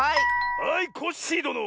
はいコッシーどの！